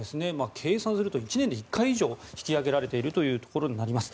計算すると１年に１回以上引き上げられていることになります。